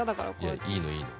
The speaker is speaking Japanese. いやいいのいいの。